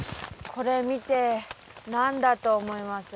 これ見て何だと思います？